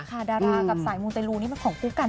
คาดารากับสายมูนใจรู